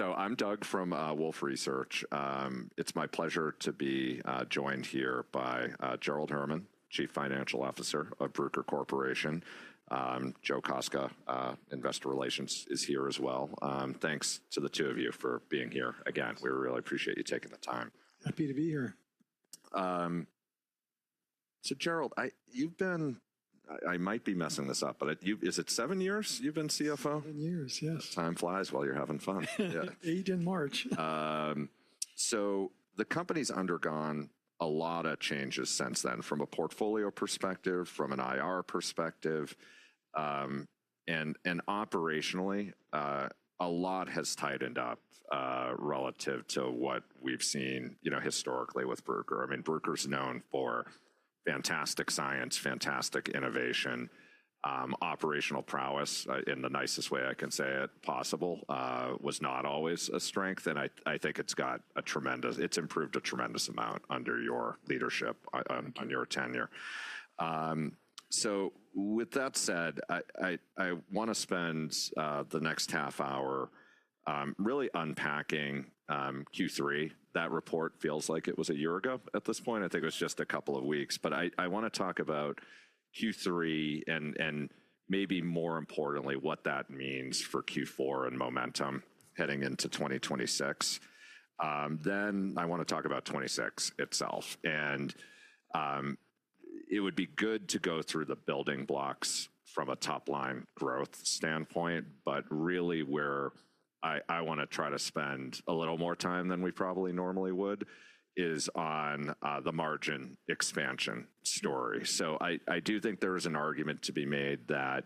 Right. I'm Doug from Wolfe Research. It's my pleasure to be joined here by Gerald Herman, Chief Financial Officer of Bruker Corporation. Joe Kostka, Investor Relations, is here as well. Thanks to the two of you for being here again. We really appreciate you taking the time. Happy to be here. Gerald, you've been—I might be messing this up, but is it seven years you've been CFO? Seven years, yes. Time flies while you're having fun. Eight in March. The company's undergone a lot of changes since then, from a portfolio perspective, from an IR perspective. Operationally, a lot has tightened up relative to what we've seen historically with Bruker. I mean, Bruker's known for fantastic science, fantastic innovation, operational prowess in the nicest way I can say it possible. Was not always a strength. I think it's improved a tremendous amount under your leadership, on your tenure. With that said, I want to spend the next half hour really unpacking Q3. That report feels like it was a year ago at this point. I think it was just a couple of weeks. I want to talk about Q3 and maybe more importantly, what that means for Q4 and momentum heading into 2026. I want to talk about 2026 itself. It would be good to go through the building blocks from a top-line growth standpoint. Really, where I want to try to spend a little more time than we probably normally would is on the margin expansion story. I do think there is an argument to be made that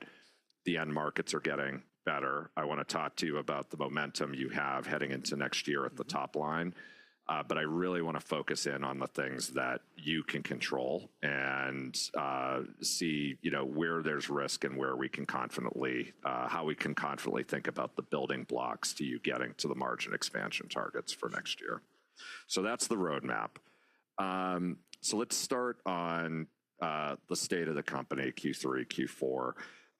the end markets are getting better. I want to talk to you about the momentum you have heading into next year at the top line. I really want to focus in on the things that you can control and see where there is risk and where we can confidently—how we can confidently think about the building blocks to you getting to the margin expansion targets for next year. That is the roadmap. Let's start on the state of the company, Q3, Q4.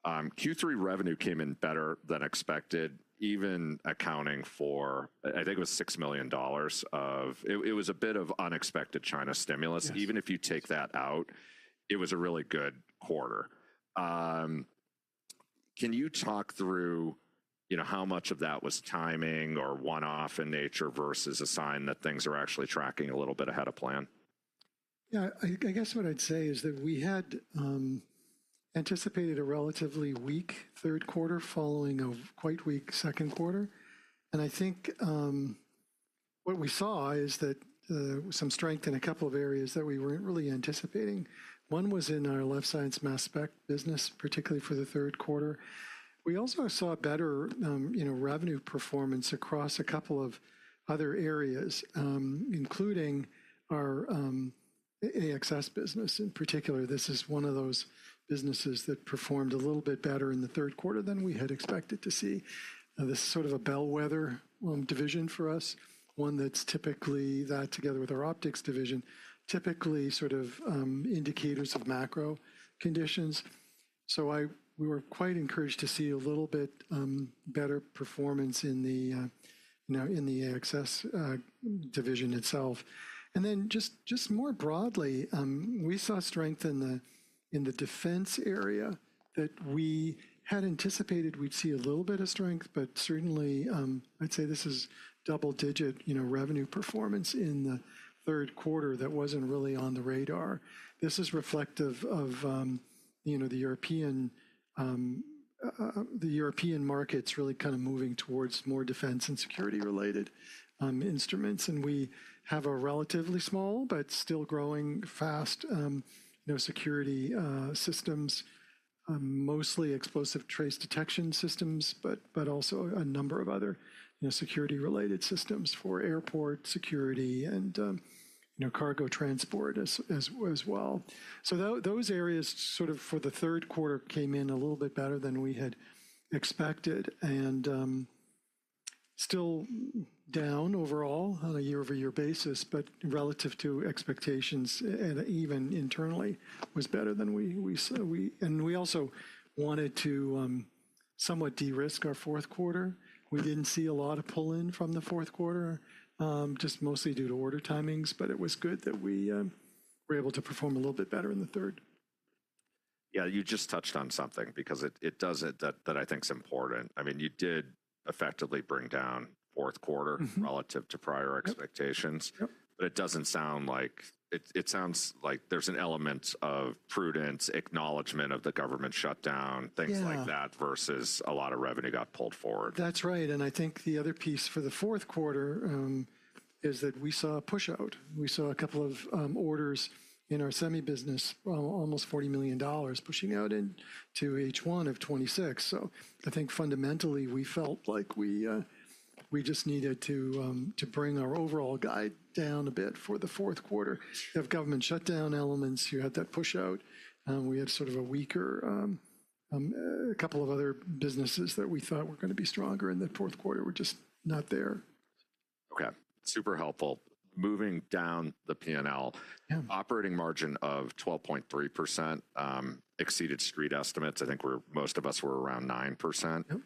Q3 revenue came in better than expected, even accounting for, I think it was $6 million of—it was a bit of unexpected China stimulus. Even if you take that out, it was a really good quarter. Can you talk through how much of that was timing or one-off in nature versus a sign that things are actually tracking a little bit ahead of plan? Yeah, I guess what I'd say is that we had anticipated a relatively weak third quarter following a quite weak second quarter. I think what we saw is that some strength in a couple of areas that we weren't really anticipating. One was in our Life Science mass spectrometry business, particularly for the third quarter. We also saw better revenue performance across a couple of other areas, including our AXS business in particular. This is one of those businesses that performed a little bit better in the third quarter than we had expected to see. This is sort of a bellwether division for us, one that's typically, that together with our Optics division, typically sort of indicators of macro conditions. We were quite encouraged to see a little bit better performance in the AXS division itself. We saw strength in the defense area that we had anticipated we'd see a little bit of strength, but certainly, I'd say this is double-digit revenue performance in the third quarter that wasn't really on the radar. This is reflective of the European markets really kind of moving towards more defense and security-related instruments. We have a relatively small but still growing fast security systems, mostly Explosive Trace Detection systems, but also a number of other security-related systems for airport security and cargo transport as well. Those areas for the third quarter came in a little bit better than we had expected and still down overall on a year-over-year basis, but relative to expectations and even internally was better than we saw. We also wanted to somewhat de-risk our fourth quarter. We did not see a lot of pull-in from the fourth quarter, just mostly due to order timings. It was good that we were able to perform a little bit better in the third. Yeah, you just touched on something because it does—that I think is important. I mean, you did effectively bring down fourth quarter relative to prior expectations. It does not sound like—it sounds like there is an element of prudence, acknowledgment of the government shutdown, things like that versus a lot of revenue got pulled forward. That's right. I think the other piece for the fourth quarter is that we saw a push-out. We saw a couple of orders in our semi business, almost $40 million pushing out into H1 of 2026. I think fundamentally we felt like we just needed to bring our overall guide down a bit for the fourth quarter. You have government shutdown elements. You had that push-out. We had sort of a weaker—a couple of other businesses that we thought were going to be stronger in the fourth quarter were just not there. Okay. Super helpful. Moving down the P&L, operating margin of 12.3% exceeded street estimates. I think most of us were around 9%.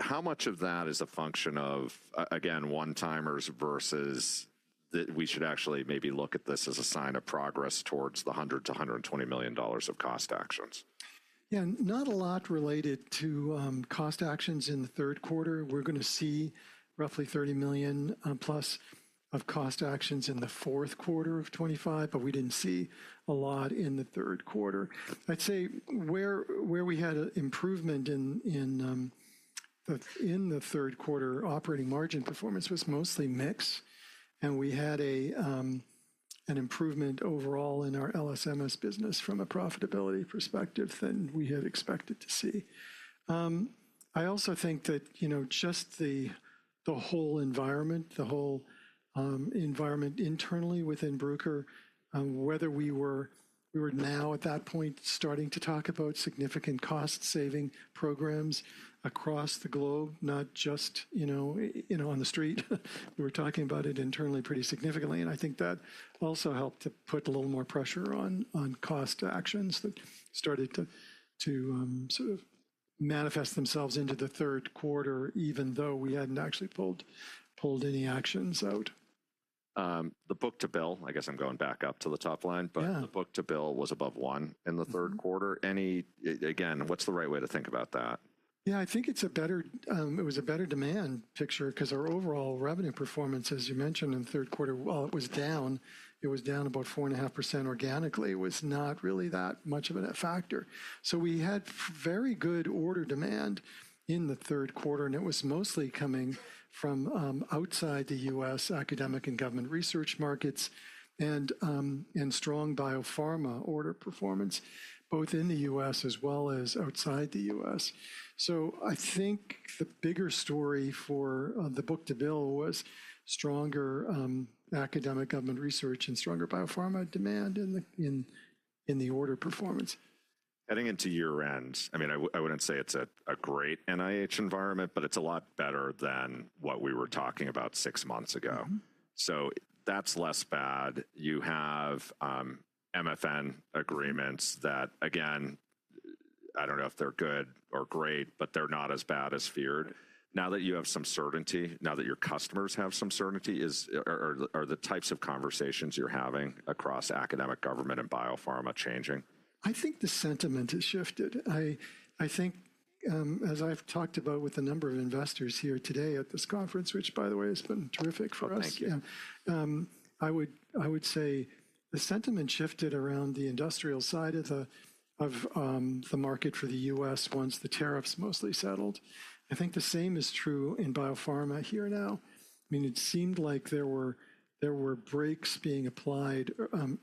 How much of that is a function of, again, one-timers versus that we should actually maybe look at this as a sign of progress towards the $100-$120 million of cost actions? Yeah, not a lot related to cost actions in the third quarter. We're going to see roughly $30 million plus of cost actions in the fourth quarter of 2025, but we didn't see a lot in the third quarter. I'd say where we had an improvement in the third quarter operating margin performance was mostly mix. And we had an improvement overall in our LSMS business from a profitability perspective than we had expected to see. I also think that just the whole environment, the whole environment internally within Bruker, whether we were now at that point starting to talk about significant cost-saving programs across the globe, not just on the street. We were talking about it internally pretty significantly. I think that also helped to put a little more pressure on cost actions that started to sort of manifest themselves into the third quarter, even though we hadn't actually pulled any actions out. The book to bill, I guess I'm going back up to the top line. Yeah. but the book to bill was above one in the third quarter. Again, what's the right way to think about that? Yeah, I think it's a better—it was a better demand picture because our overall revenue performance, as you mentioned in the third quarter, while it was down, it was down about 4.5% organically. It was not really that much of a factor. We had very good order demand in the third quarter, and it was mostly coming from outside the U.S. academic and government research markets and strong biopharma order performance, both in the U.S. as well as outside the U.S. I think the bigger story for the book to bill was stronger academic government research and stronger biopharma demand in the order performance. Heading into year-end, I mean, I wouldn't say it's a great NIH environment, but it's a lot better than what we were talking about six months ago. That's less bad. You have MFN agreements that, again, I don't know if they're good or great, but they're not as bad as feared. Now that you have some certainty, now that your customers have some certainty, are the types of conversations you're having across academic, government, and biopharma changing? I think the sentiment has shifted. I think, as I've talked about with a number of investors here today at this conference, which, by the way, has been terrific for us. Thank you. I would say the sentiment shifted around the industrial side of the market for the U.S. once the tariffs mostly settled. I think the same is true in biopharma here now. I mean, it seemed like there were brakes being applied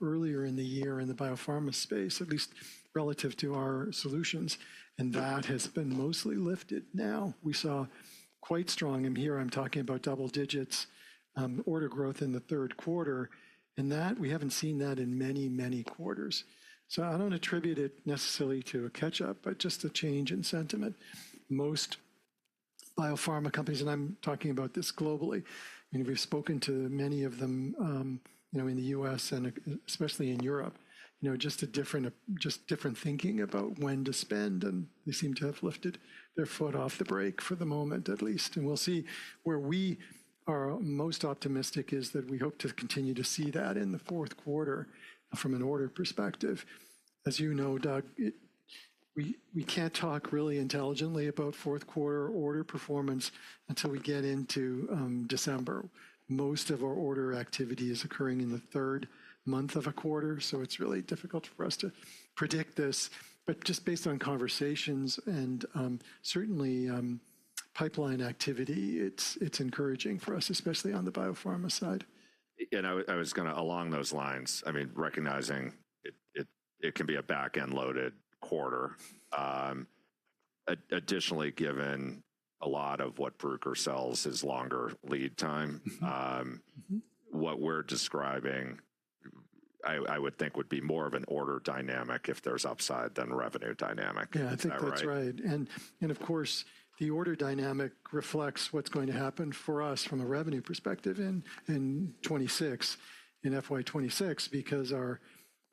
earlier in the year in the biopharma space, at least relative to our solutions. That has been mostly lifted. Now we saw quite strong, and here I am talking about double digits, order growth in the third quarter. We have not seen that in many, many quarters. I do not attribute it necessarily to a catch-up, but just a change in sentiment. Most biopharma companies, and I am talking about this globally, I mean, we have spoken to many of them in the U.S. and especially in Europe, just a different thinking about when to spend. They seem to have lifted their foot off the brake for the moment, at least. We will see where we are most optimistic is that we hope to continue to see that in the fourth quarter from an order perspective. As you know, Doug, we cannot talk really intelligently about fourth quarter order performance until we get into December. Most of our order activity is occurring in the third month of a quarter. It is really difficult for us to predict this. Just based on conversations and certainly pipeline activity, it is encouraging for us, especially on the biopharma side. I was going to, along those lines, I mean, recognizing it can be a back-end-loaded quarter. Additionally, given a lot of what Bruker sells is longer lead time, what we're describing, I would think, would be more of an order dynamic if there's upside than revenue dynamic. Is that right? Yeah, I think that's right. Of course, the order dynamic reflects what's going to happen for us from a revenue perspective in 2026, in FY 2026, because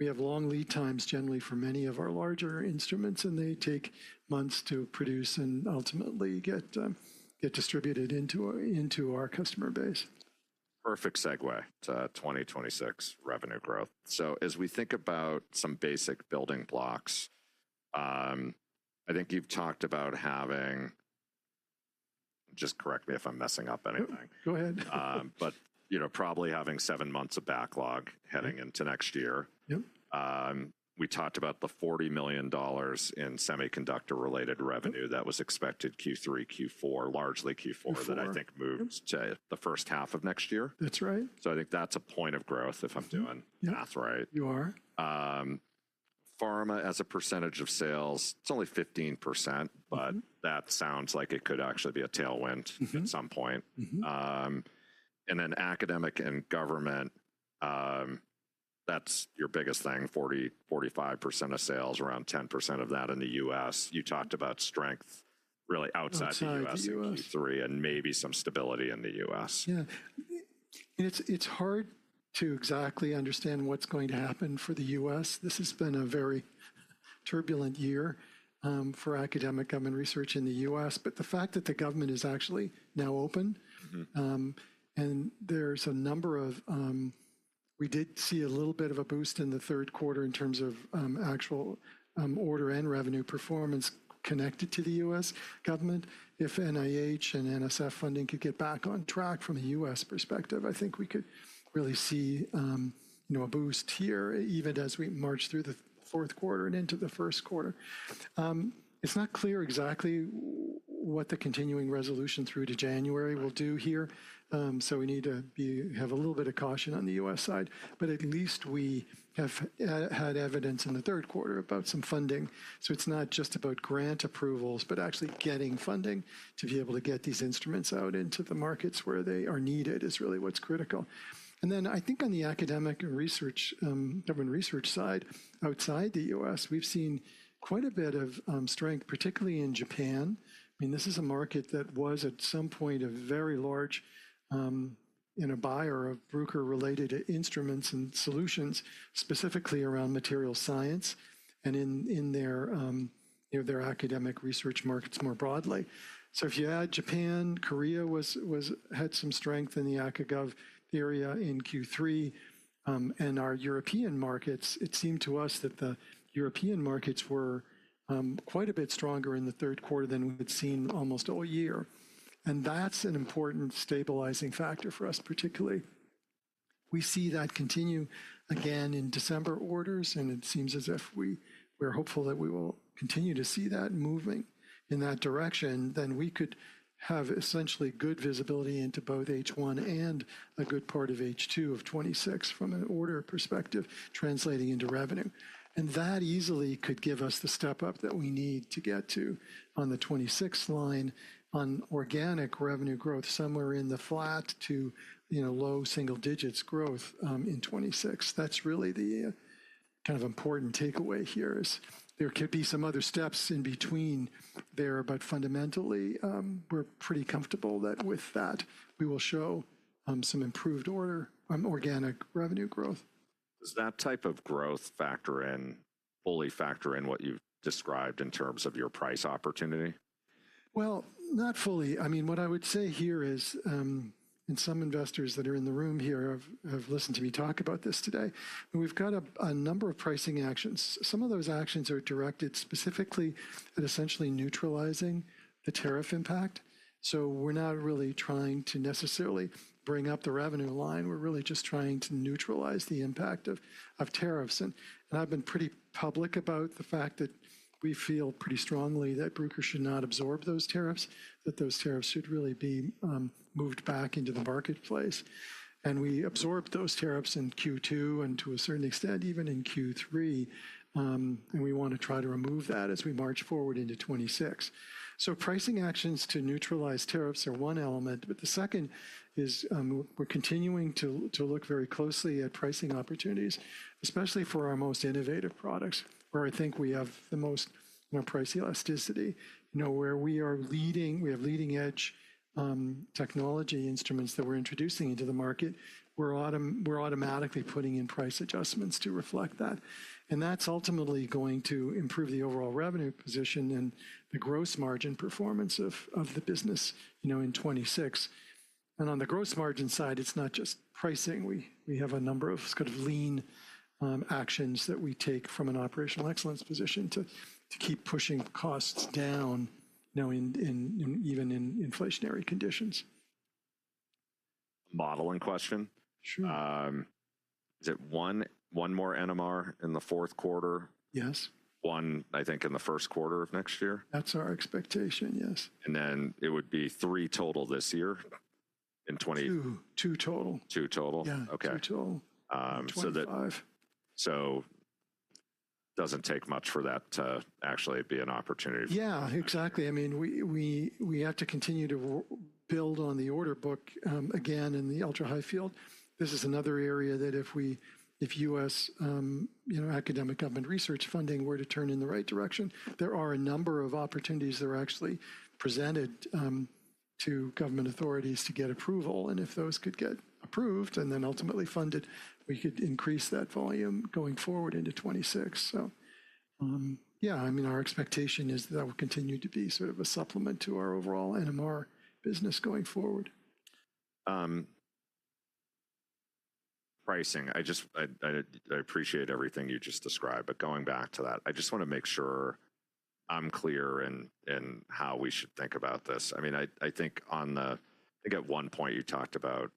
we have long lead times generally for many of our larger instruments, and they take months to produce and ultimately get distributed into our customer base. Perfect segue to 2026 revenue growth. As we think about some basic building blocks, I think you've talked about having—just correct me if I'm messing up anything. Go ahead. Probably having seven months of backlog heading into next year. Yeah We talked about the $40 million in semiconductor-related revenue that was expected Q3, Q4, largely Q4 that I think moves to the first half of next year. That's right. I think that's a point of growth if I'm doing math right. You are. Pharma as a percentage of sales, it's only 15%, but that sounds like it could actually be a tailwind Uh hm. at some point. Academic and government, that's your biggest thing, 40-45% of sales, around 10% of that in the U.S. You talked about strength really outside the U.S. in Q3 and maybe some stability in the U.S. Yeah. It's hard to exactly understand what's going to happen for the U.S. This has been a very turbulent year for academic government research in the U.S. The fact that the government is actually now open. Hm. And there's a number of—we did see a little bit of a boost in the third quarter in terms of actual order and revenue performance connected to the U.S. government. If NIH and NSF funding could get back on track from a U.S. perspective, I think we could really see a boost here even as we march through the fourth quarter and into the first quarter. It's not clear exactly what the continuing resolution through to January will do here. We need to have a little bit of caution on the U.S. side. At least we have had evidence in the third quarter about some funding. It is not just about grant approvals, but actually getting funding to be able to get these instruments out into the markets where they are needed is really what is critical. I think on the academic and government research side outside the U.S., we have seen quite a bit of strength, particularly in Japan. I mean, this is a market that was at some point a very large buyer of Bruker-related instruments and solutions, specifically around material science and in their academic research markets more broadly. If you add Japan, Korea had some strength in the Akagav area in Q3. Our European markets, it seemed to us that the European markets were quite a bit stronger in the third quarter than we had seen almost all year. That is an important stabilizing factor for us, particularly. We see that continue again in December orders. It seems as if we're hopeful that we will continue to see that moving in that direction, then we could have essentially good visibility into both H1 and a good part of H2 of 2026 from an order perspective translating into revenue. That easily could give us the step up that we need to get to on the 26 line on organic revenue growth somewhere in the flat to low single digits growth in 2026. That's really the year, kind of important takeaway here is there could be some other steps in between there, but fundamentally we're pretty comfortable that with that we will show some improved organic revenue growth. Does that type of growth factor in, fully factor in what you've described in terms of your price opportunity? I mean, what I would say here is, and some investors that are in the room here have listened to me talk about this today, we've got a number of pricing actions. Some of those actions are directed specifically at essentially neutralizing the tariff impact. So we're not really trying to necessarily bring up the revenue line. We're really just trying to neutralize the impact of tariffs. And I've been pretty public about the fact that we feel pretty strongly that Bruker should not absorb those tariffs, that those tariffs should really be moved back into the marketplace. And we absorbed those tariffs in Q2 and to a certain extent even in Q3. And we want to try to remove that as we march forward into 2026. Pricing actions to neutralize tariffs are one element, but the second is we're continuing to look very closely at pricing opportunities, especially for our most innovative products where I think we have the most price elasticity, where we are leading, we have leading-edge technology instruments that we're introducing into the market. We're automatically putting in price adjustments to reflect that. That is ultimately going to improve the overall revenue position and the gross margin performance of the business in 2026. On the gross margin side, it's not just pricing. We have a number of sort of lean actions that we take from an operational excellence position to keep pushing costs down even in inflationary conditions. Model in question. Sure. Is it one more NMR in the fourth quarter? Yes. One, I think, in the first quarter of next year. That's our expectation, yes. It would be three total this year in 20. Two total. Two total? Yeah, two total. 25. It doesn't take much for that to actually be an opportunity for. Yeah, exactly. I mean, we have to continue to build on the order book again in the ultra-high field. This is another area that if U.S. academic government research funding were to turn in the right direction, there are a number of opportunities that are actually presented to government authorities to get approval. If those could get approved and then ultimately funded, we could increase that volume going forward into 2026. Yeah, I mean, our expectation is that will continue to be sort of a supplement to our overall NMR business going forward. Pricing. I appreciate everything you just described, but going back to that, I just want to make sure I'm clear in how we should think about this. I mean, I think at one point you talked about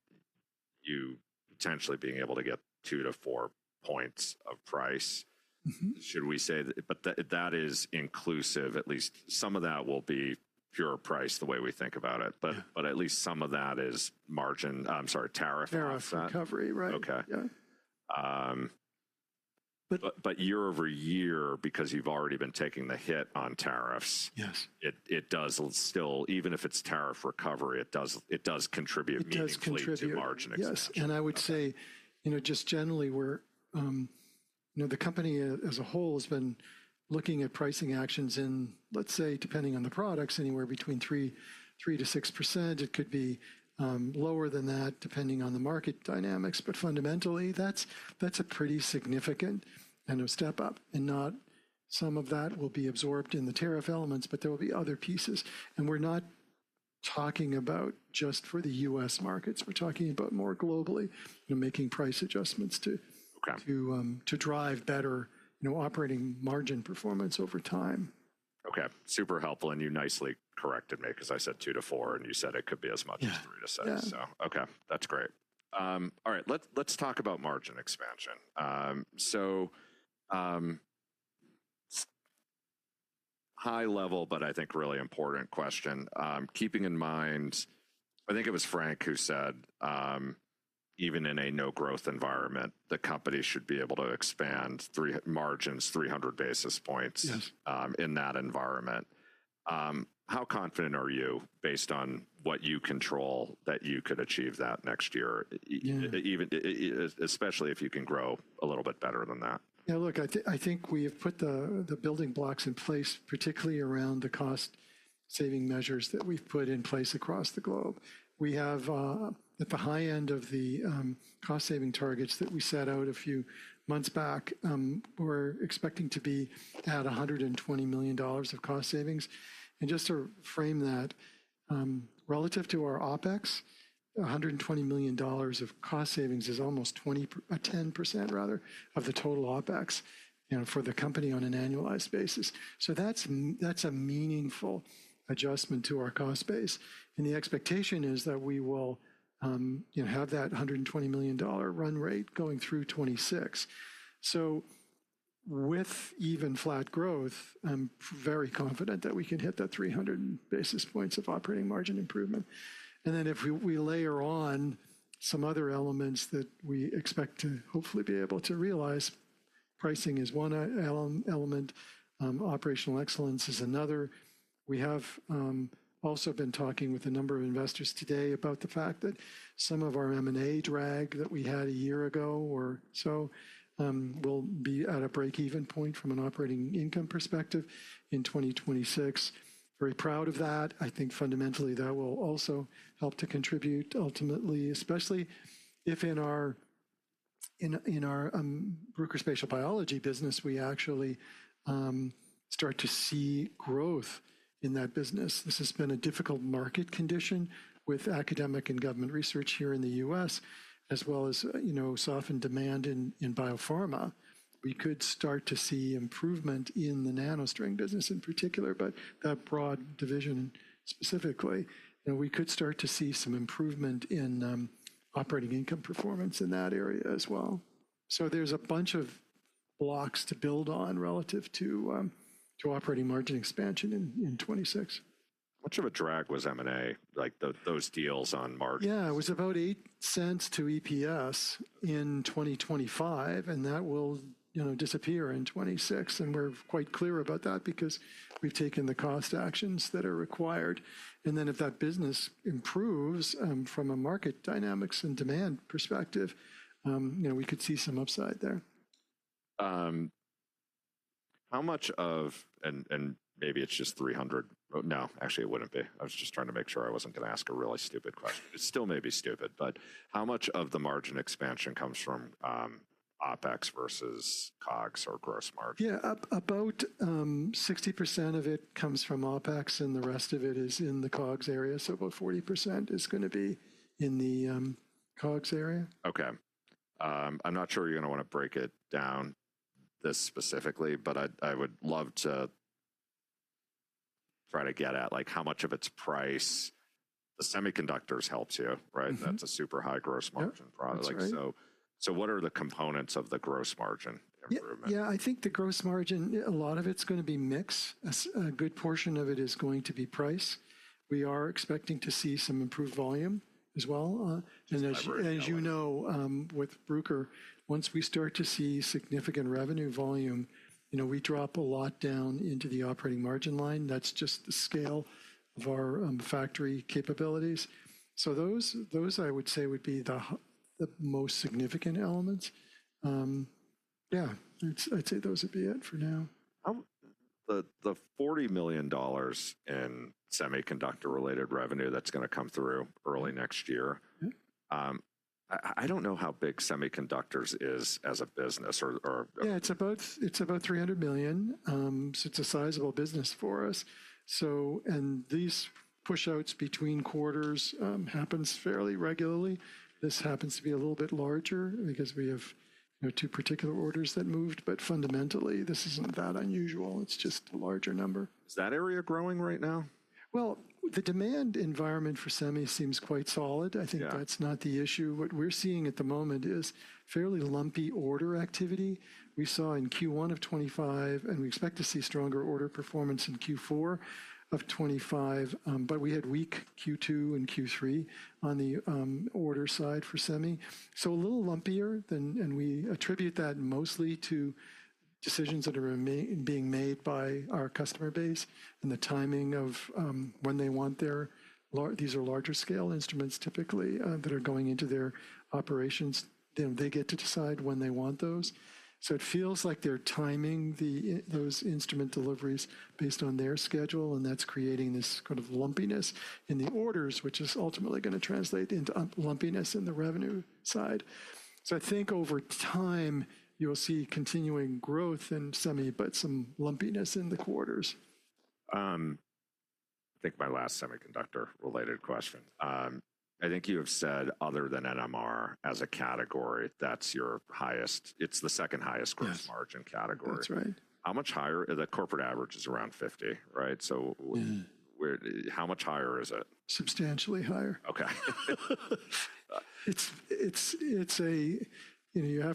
you potentially being able to get two to four points of price. Uh hmm. Should we say that, but that is inclusive, at least some of that will be pure price the way we think about it, but at least some of that is margin, I'm sorry, tariff. Tariff recovery, right. Okay. Year-over-year, because you've already been taking the hit on tariffs,. Yeah. it does still, even if it's tariff recovery, it does contribute It does contribute. Meaningfully to margin excellence. Yes. I would say just generally, the company as a whole has been looking at pricing actions in, let's say, depending on the products, anywhere between 3%-6%. It could be lower than that depending on the market dynamics. Fundamentally, that's a pretty significant step up. Some of that will be absorbed in the tariff elements, but there will be other pieces. We're not talking about just for the U.S. markets. We're talking about more globally making price adjustments to drive better operating margin performance over time. Okay. Super helpful. You nicely corrected me because I said two to four, and you said it could be as much as three to six. Yeah, yeah. Okay, that's great. All right, let's talk about margin expansion. High level, but I think really important question. Keeping in mind, I think it was Frank who said even in a no-growth environment, the company should be able to expand margins 300 basis points Yeah in that environment. How confident are you based on what you control that you could achieve that next year, especially if you can grow a little bit better than that? Yeah, look, I think we have put the building blocks in place, particularly around the cost-saving measures that we've put in place across the globe. We have, at the high end of the cost-saving targets that we set out a few months back, we're expecting to be at $120 million of cost savings. And just to frame that, relative to our OPEX, $120 million of cost savings is almost 10% of the total OPEX for the company on an annualized basis. That is a meaningful adjustment to our cost base. The expectation is that we will have that $120 million run rate going through 2026. With even flat growth, I'm very confident that we can hit that 300 basis points of operating margin improvement. If we layer on some other elements that we expect to hopefully be able to realize, pricing is one element. Operational excellence is another. We have also been talking with a number of investors today about the fact that some of our M&A drag that we had a year ago or so will be at a break-even point from an operating income perspective in 2026. Very proud of that. I think fundamentally that will also help to contribute ultimately, especially if in our Bruker Spatial Biology business, we actually start to see growth in that business. This has been a difficult market condition with academic and government research here in the U.S., as well as softened demand in biopharma. We could start to see improvement in the NanoString business in particular, but that broad division specifically, we could start to see some improvement in operating income performance in that area as well. There is a bunch of blocks to build on relative to operating margin expansion in 2026. Much of a drag was M&A, like those deals on margin. Yeah, it was about $0.08 to EPS in 2025, and that will disappear in 2026. We're quite clear about that because we've taken the cost actions that are required. If that business improves from a market dynamics and demand perspective, we could see some upside there. How much of, and maybe it's just 300. No, actually it wouldn't be. I was just trying to make sure I wasn't going to ask a really stupid question. It still may be stupid, but how much of the margin expansion comes from OPEX versus COGS or gross margin? Yeah, about 60% of it comes from OPEX and the rest of it is in the COGS area. So about 40% is going to be in the COGS area. Okay. I'm not sure you're going to want to break it down this specifically, but I would love to try to get at how much of it's price. The semiconductors helps you, right? That's a super high gross margin product. What are the components of the gross margin improvement? Yeah, I think the gross margin, a lot of it's going to be mix. A good portion of it is going to be price. We are expecting to see some improved volume as well. As you know, with Bruker, once we start to see significant revenue volume, we drop a lot down into the operating margin line. That's just the scale of our factory capabilities. Those I would say would be the most significant elements. Yeah, I'd say those would be it for now. The $40 million in semiconductor-related revenue that's going to come through early next year, I don't know how big semiconductors is as a business or. Yeah, it's about $300 million. It's a sizable business for us. These push-outs between quarters happen fairly regularly. This happens to be a little bit larger because we have two particular orders that moved, but fundamentally this isn't that unusual. It's just a larger number. Is that area growing right now? The demand environment for semi seems quite solid. I think that's not the issue. What we're seeing at the moment is fairly lumpy order activity. We saw in Q1 of 2025, and we expect to see stronger order performance in Q4 of 2025, but we had weak Q2 and Q3 on the order side for semi. A little lumpier, and we attribute that mostly to decisions that are being made by our customer base and the timing of when they want their, these are larger scale instruments typically that are going into their operations. They get to decide when they want those. It feels like they're timing those instrument deliveries based on their schedule, and that's creating this sort of lumpiness in the orders, which is ultimately going to translate into lumpiness in the revenue side. I think over time you'll see continuing growth in semi, but some lumpiness in the quarters. I think my last semiconductor-related question. I think you have said other than NMR as a category, that's your highest, it's the second highest gross margin category. That's right. How much higher? The corporate average is around 50%, right? So how much higher is it? Substantially higher. Okay.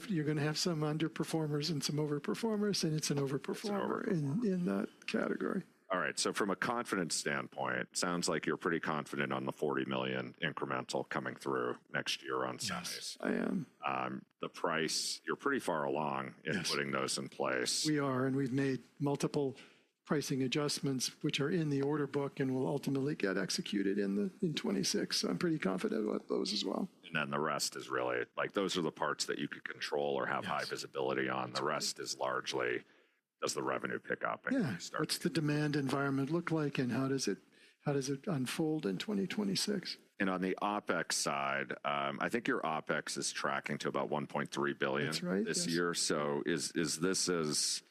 You're going to have some underperformers and some overperformers, and it's an overperformer in that category. All right. So from a confidence standpoint, it sounds like you're pretty confident on the 40 million incremental coming through next year on semis. Yes, I am. The price, you're pretty far along in putting those in place. We are, and we've made multiple pricing adjustments, which are in the order book and will ultimately get executed in 2026. So I'm pretty confident about those as well. The rest is really like those are the parts that you could control or have high visibility on. The rest is largely does the revenue pick up and start to. Yeah, what's the demand environment look like and how does it unfold in 2026? On the OPEX side, I think your OPEX is tracking to about 1.3 billion this year. That's right. Is this as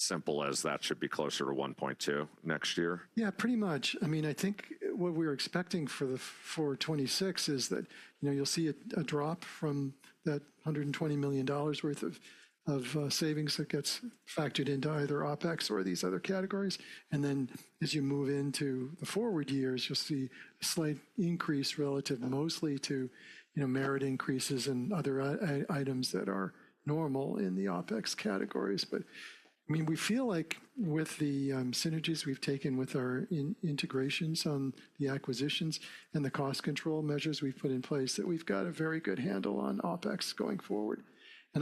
simple as that should be closer to 1.2 next year? Yeah, pretty much. I mean, I think what we were expecting for 2026 is that you'll see a drop from that $120 million worth of savings that gets factored into either OPEX or these other categories. As you move into the forward years, you'll see a slight increase relative mostly to merit increases and other items that are normal in the OPEX categories. I mean, we feel like with the synergies we've taken with our integrations on the acquisitions and the cost control measures we've put in place, that we've got a very good handle on OPEX going forward.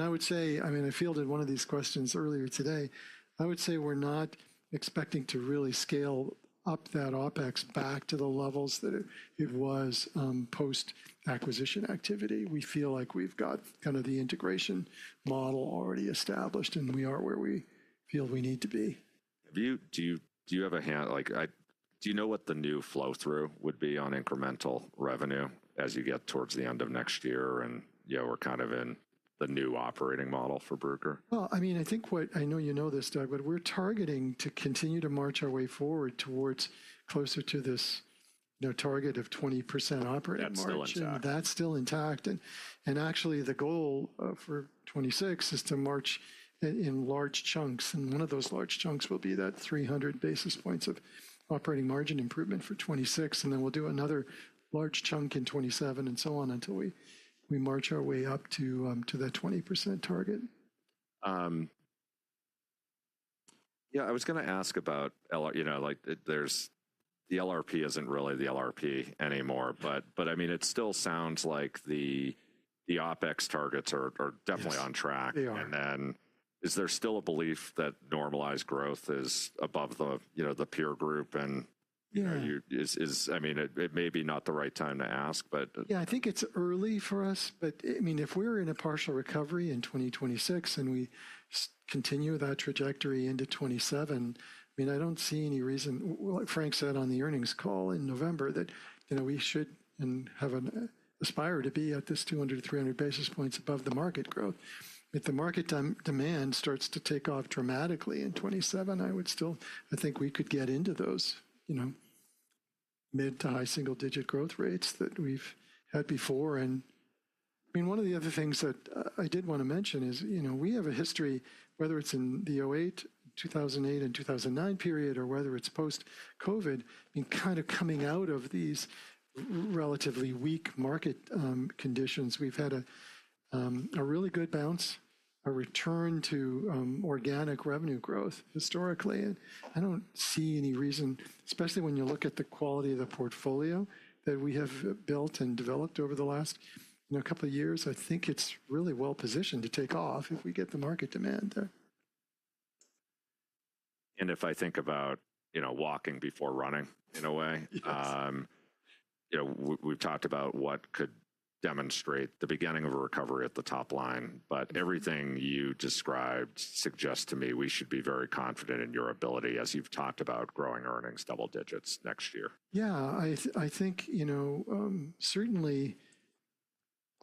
I would say, I mean, I fielded one of these questions earlier today. I would say we're not expecting to really scale up that OPEX back to the levels that it was post-acquisition activity. We feel like we've got kind of the integration model already established, and we are where we feel we need to be. Do you have a hand? Do you know what the new flow through would be on incremental revenue as you get towards the end of next year and we're kind of in the new operating model for Bruker? I mean, I think what I know you know this, Doug, but we're targeting to continue to march our way forward towards closer to this target of 20% operating margin. That's still intact. That's still intact. Actually the goal for 2026 is to march in large chunks. One of those large chunks will be that 300 basis points of operating margin improvement for 2026. Then we'll do another large chunk in 2027 and so on until we march our way up to that 20% target. Yeah, I was going to ask about, you know, the LRP isn't really the LRP anymore, but I mean, it still sounds like the OPEX targets are definitely on track. And then is there still a belief that normalized growth is above the peer group? I mean, it may be not the right time to ask, but. Yeah, I think it's early for us, but I mean, if we're in a partial recovery in 2026 and we continue that trajectory into 2027, I mean, I don't see any reason, like Frank said on the earnings call in November, that we should and have aspire to be at this 200-300 basis points above the market growth. If the market demand starts to take off dramatically in 2027, I would still, I think we could get into those mid to high single-digit growth rates that we've had before. I mean, one of the other things that I did want to mention is we have a history, whether it's in the 2008 and 2009 period, or whether it's post-COVID, I mean, kind of coming out of these relatively weak market conditions. We've had a really good bounce, a return to organic revenue growth historically. I do not see any reason, especially when you look at the quality of the portfolio that we have built and developed over the last couple of years, I think it is really well positioned to take off if we get the market demand there. If I think about walking before running in a way, we've talked about what could demonstrate the beginning of a recovery at the top line, but everything you described suggests to me we should be very confident in your ability as you've talked about growing earnings double digits next year. Yeah, I think certainly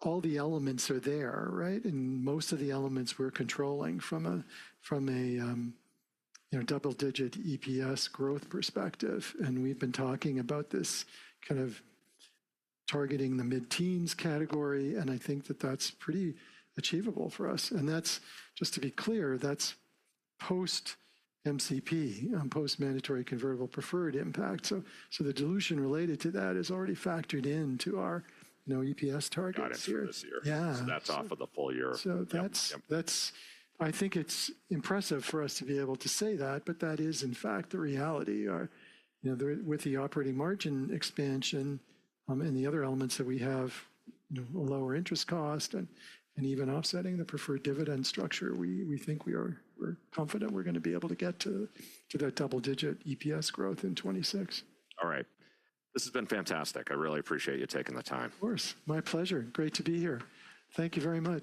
all the elements are there, right? Most of the elements we're controlling from a double-digit EPS growth perspective. We've been talking about this kind of targeting the mid-teens category, and I think that that's pretty achievable for us. Just to be clear, that's post-MCP, post-Mandatory Convertible Preferred impact. The dilution related to that is already factored into our EPS targets here. Yeah That's off of the full year. I think it's impressive for us to be able to say that, but that is in fact the reality. With the operating margin expansion and the other elements that we have, lower interest cost and even offsetting the preferred dividend structure, we think we're confident we're going to be able to get to that double-digit EPS growth in 2026. All right. This has been fantastic. I really appreciate you taking the time. Of course. My pleasure. Great to be here. Thank you very much.